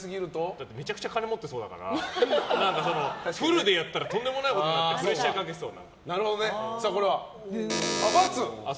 だってめちゃくちゃ金持ってそうだからフルでやったらとんでもないことになってこれは？×！